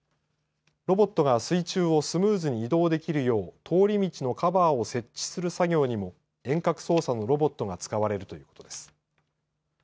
ロボットが水中をスムーズに移動できるよう通り道のカバーを設置する作業にも遠隔操作のロボットが使われるということです。